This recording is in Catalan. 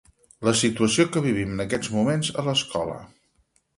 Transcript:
La situació que vivim en aquests moments a l'escola